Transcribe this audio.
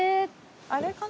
あれかな？